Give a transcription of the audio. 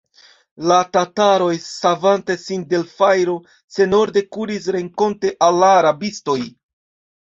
La tataroj, savante sin de l' fajro, senorde kuris renkonte al la rabistoj.